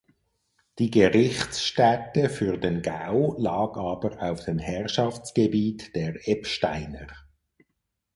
Die Gerichtsstätte für den Gau lag aber auf dem Herrschaftsgebiet der Eppsteiner.